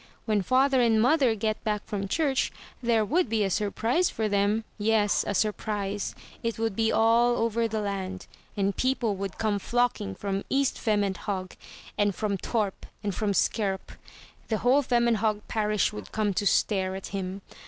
When father and mother get back from church, there would be a surprise for them. Yes, a surprise — ^it would be all over the land; and people would come flocking from East Vemmenhog, and from Torp, and from Skerup. The whole Vemmenhog Parish would come to stare at him.